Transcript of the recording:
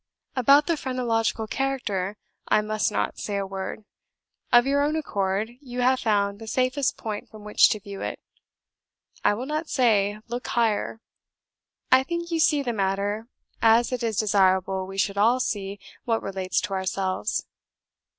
About the 'Phrenological Character' I must not say a word. Of your own accord, you have found the safest point from which to view it: I will not say 'look higher!' I think you see the matter as it is desirable we should all see what relates to ourselves.